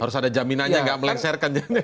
harus ada jaminannya nggak melengsarkan